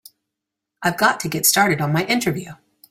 I've got to get started on my interview.